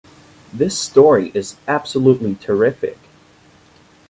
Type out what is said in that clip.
This story is absolutely terrific!